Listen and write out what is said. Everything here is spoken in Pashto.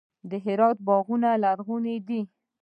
د هرات باغونه لرغوني دي.